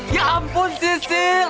ya ampun sisil